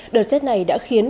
đợt z này đã khiến